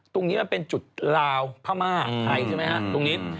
ตรงนี้มันเป็นจุดลาวพม่าไทยใช่ไหมฮะตรงนี้